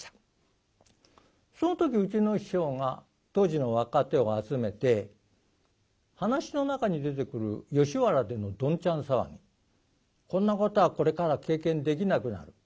その時うちの師匠が当時の若手を集めて噺の中に出てくる吉原でのどんちゃん騒ぎこんなことはこれからは経験できなくなる